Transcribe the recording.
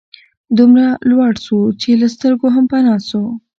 دومره لوړ سو چي له سترګو هم پناه سو